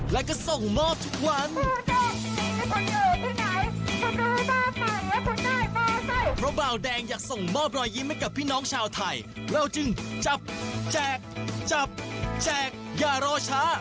และจึงจับแจกจับแจกอย่ารอช้า